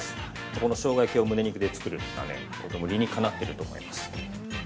このしょうが焼きをむね肉で作るのはとても理にかなっていると思います。